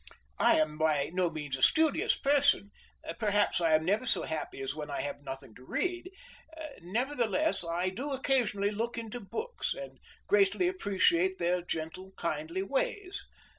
"I am by no means a studious person; perhaps I am never so happy as when I have nothing to read. Nevertheless, I do occasionally look into books, and greatly appreciate their gentle, kindly ways.